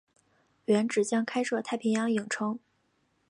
原址将开设太平洋影城。